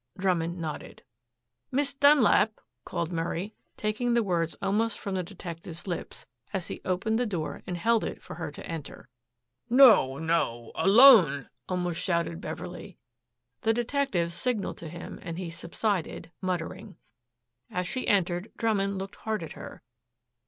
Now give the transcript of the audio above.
Drummond nodded. "Miss Dunlap," called Murray, taking the words almost from the detective's lips, as he opened the door and held it for her to enter. "No no. Alone," almost shouted Beverley. The detective signaled to him and he subsided, muttering. As she entered Drummond looked hard at her.